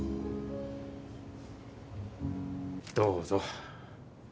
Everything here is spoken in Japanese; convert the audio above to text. どうぞ。